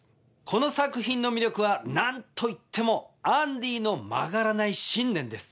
この作品の魅力は何といってもアンディーの曲がらない信念です。